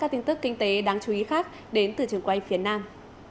các tin tức kinh tế đáng chú ý khác đến từ trường quay phía nam